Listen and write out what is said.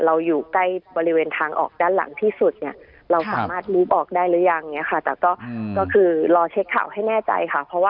เราอยู่ใกล้บริเวณทางออกด้านหลังที่สุดเนี่ย